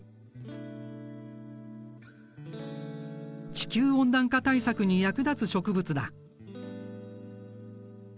地球温暖化対策に役立つ植物だ。